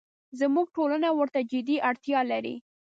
زموږ ټولنه ورته جدي اړتیا لري.